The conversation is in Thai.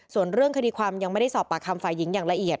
ส่วนเรื่องคดีความยังไม่ได้สอบปากคำฝ่ายหญิงอย่างละเอียด